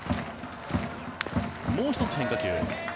もう１つ、変化球。